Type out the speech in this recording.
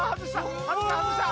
外した。